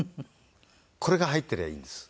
これが入ってりゃいいんです。